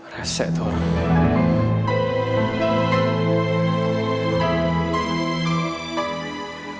reset tuh orang